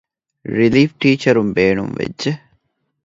ރިލީފް ޓީޗަރުން ބޭނުންވެއްޖެ